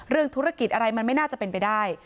เรื่องธุรกิจอะไรมันไม่น่าจะเป็นไปได้